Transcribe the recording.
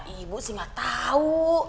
ibu sih gak tau